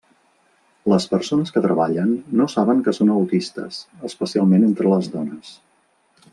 Les persones que treballen no saben que són autistes, especialment entre les dones.